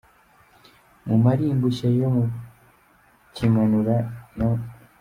Mu maringushya yo mu kimanura, no.